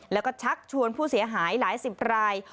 แล้วก็ชักชวนผู้เสียหายหลายสิบราย